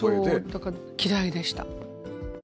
だから嫌いでした。